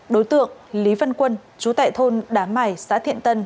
đối tượng lý văn quân trú tại thôn đá mải xã thiện tân